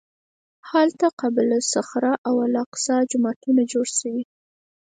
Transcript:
هلته قبة الصخره او الاقصی جوماتونه جوړ شوي.